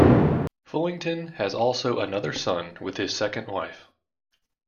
Fullington has also another son with his second wife.